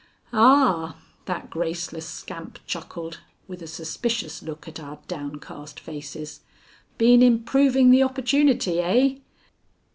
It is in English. "Ah!" that graceless scamp chuckled, with a suspicious look at our downcast faces, "been improving the opportunity, eh?"